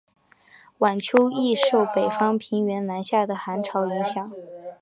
晚秋易受北方平原南下的寒潮影响。